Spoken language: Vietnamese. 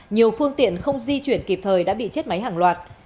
nhiều phương tiện không di chuyển kịp thời đã bị chết máy hàng loạt